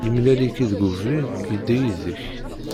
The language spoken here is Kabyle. Yemlal-ik-id deg ubrid, yedda yid-k.